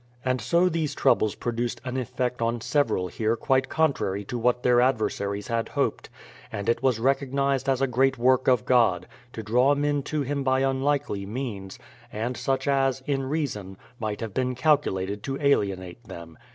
And so these troubles produced an effect on several here quite contrary to what their adversaries had hoped; and it was recognized as a great work of God, to draw men to him by unlikely means, and such as, in reason, might have been calculated to alienate them.